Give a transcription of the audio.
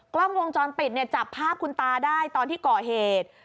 กล้องวงจรปิดเนี่ยจับภาพคุณตาได้ตอนที่ก่อเหตุ